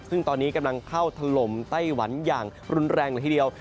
ซึ่งตอนนี้กำลังเข้าถล่มไต้หวันอย่างรุนแรงละทีเดียว